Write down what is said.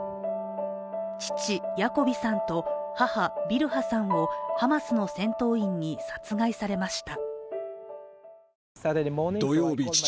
父・ヤコビさんと母・ビルハさんをハマスの戦闘員に殺害されました。